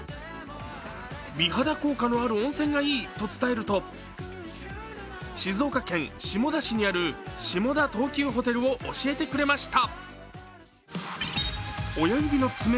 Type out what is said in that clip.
美肌効果のある温泉がいいと伝えると静岡県下田市にある下田東急ホテルを教えてくれました。